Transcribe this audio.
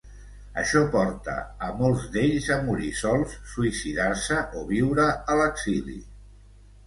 Això porta a molts d'ells a morir sols, suïcidar-se o viure a l'exili.